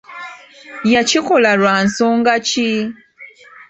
Yakikola lwa nsonga ki?